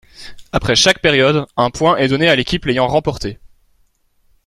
Après chaque période, un point est donné à l’équipe l’ayant remportée.